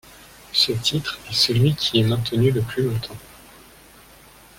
Ce titre est celui qui est maintenu le plus longtemps.